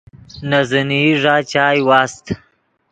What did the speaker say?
نے زینئی ݱا چائے واست